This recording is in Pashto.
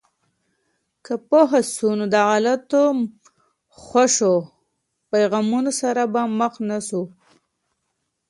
که پوه سو، نو د غلطو خوشو پیغامونو سره به مخامخ نسو.